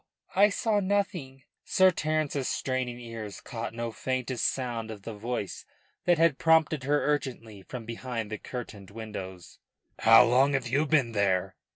I saw nothing." Sir Terence's straining ears caught no faintest sound of the voice that had prompted her urgently from behind the curtained windows. "How long have you been there?"